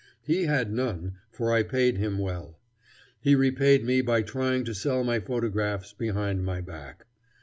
He had none, for I paid him well. He repaid me by trying to sell my photographs behind my back.